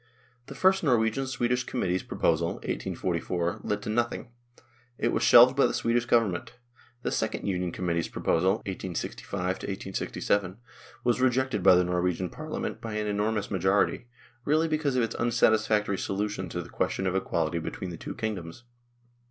The first Norwegian Swedish Committee's proposal (1844) led to nothing; it was shelved by the Swedish Government. The second Union Committee's proposal (1865 1867) was rejected by the Norwegian Parliament by an enor mous majority, really because of its unsatisfactory solution of the question of equality between the two kingdoms.